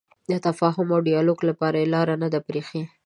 د تفاهم او ډیالوګ لپاره یې لاره نه ده پرېښې.